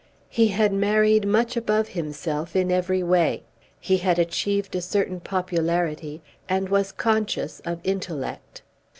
He had married much above himself in every way. He had achieved a certain popularity and was conscious of intellect.